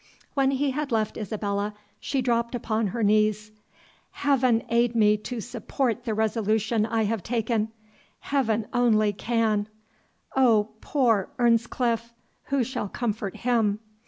When he left Isabella she dropped upon her knees "Heaven aid me to support the resolution I have taken Heaven only can O, poor Earnscliff! who shall comfort him?